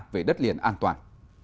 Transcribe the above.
về đất liền an toàn